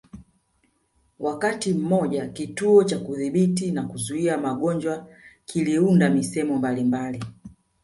Wakati mmoja Kituo cha Kudhibiti na Kuzuia Magonjwa kiliunda misemo mbalimbali